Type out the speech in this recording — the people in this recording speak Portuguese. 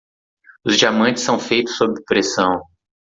Os diamantes são feitos sob pressão.